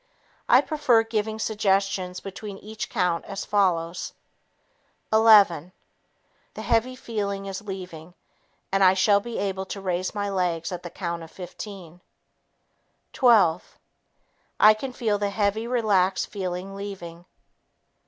I prefer giving suggestions between each count as follows: "Eleven ... The heavy feeling is leaving, and I shall be able to raise my legs at the count of 15. Twelve ... I can feel the heavy, relaxed feeling leaving.